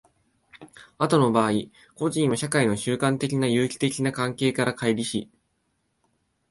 後の場合、個人は社会の習慣的な有機的な関係から乖離し、